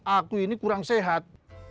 aku ini kurang sehat